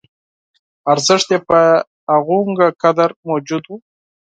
ارزښت یې په همغومره قدر موجود و.